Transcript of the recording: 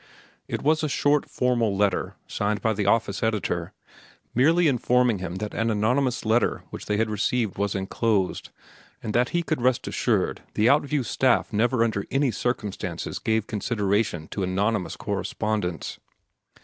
It was a short, formal letter, signed by the office editor, merely informing him that an anonymous letter which they had received was enclosed, and that he could rest assured the Outview's staff never under any circumstances gave consideration to anonymous correspondence.